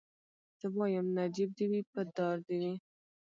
زه وايم نجيب دي وي په دار دي وي